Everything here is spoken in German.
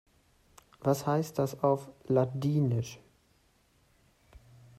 Was heißt das auf Ladinisch?